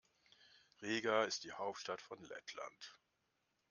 Riga ist die Hauptstadt von Lettland.